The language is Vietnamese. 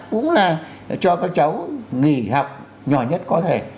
uống là cho các cháu nghỉ học nhỏ nhất có thể